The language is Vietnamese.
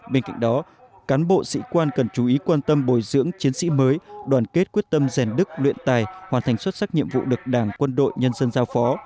bên cạnh đó cán bộ sĩ quan cần chú ý quan tâm bồi dưỡng chiến sĩ mới đoàn kết quyết tâm rèn đức luyện tài hoàn thành xuất sắc nhiệm vụ được đảng quân đội nhân dân giao phó